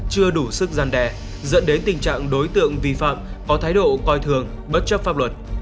chưa đủ sức gian đe dẫn đến tình trạng đối tượng vi phạm có thái độ coi thường bất chấp pháp luật